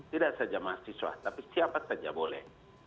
tidak saja mahasiswa tapi siapa saja boleh